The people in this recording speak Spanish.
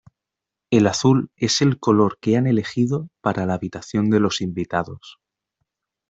El azul es el color que han elegido para la habitación de los invitados.